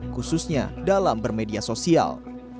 khususnya dalam bermedia sosial